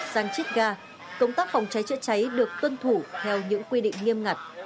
tăng chít ga công tác phòng cháy cháy cháy được tuân thủ theo những quy định nghiêm ngặt